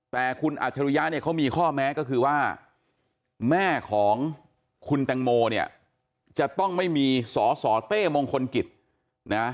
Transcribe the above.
แต่คุณอัจฉริยะเนี่ยเขามีข้อแม้ก็คือว่าแม่ของคุณแตงโมเนี่ยจะต้องไม่มีสสเต้มงคลกิจนะ